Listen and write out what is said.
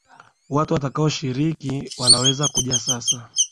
Watu watakao shiriki wanaweza kuja sasa